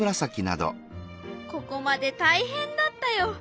ここまで大変だったよ。